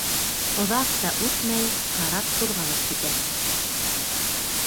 Оҙаҡ та үтмәй, карап ҡуҙғалып китә.